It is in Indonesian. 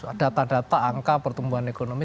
ada data data angka pertumbuhan ekonomi